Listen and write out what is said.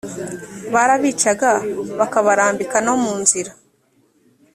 barabicaga bakabarambika no mu nzira